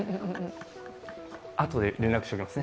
あとで連絡しておきますね。